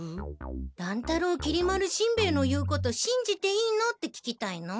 「乱太郎きり丸しんべヱの言うことしんじていいの？」って聞きたいの？